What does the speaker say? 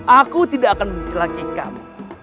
aku tidak akan mencelaki kamu